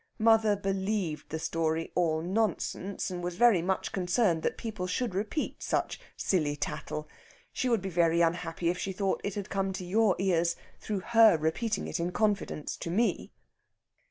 Mother believed the story all nonsense, and was very much concerned that people should repeat such silly tattle. She would be very unhappy if she thought it had come to your ears through her repeating it in confidence to me."